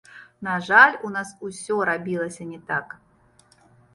На жаль, у нас усё рабілася не так.